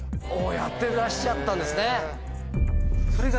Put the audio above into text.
やってらっしゃったんですね。